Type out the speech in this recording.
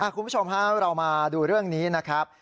คุณผู้ชมเรามาดูเรื่องนี้นะครับ